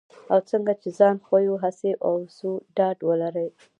او څنګه چې ځان ښیو هغسې اوسو ډاډ ولرئ.